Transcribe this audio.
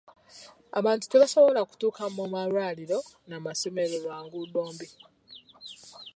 Abantu tebasobola kutuuka mu malwaliro na masomero lwa nguudo mbi.